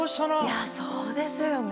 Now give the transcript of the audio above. いやそうですよね。